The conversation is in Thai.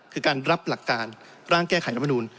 คือการรับหลักการร่างแก้ไขรัฐมนูล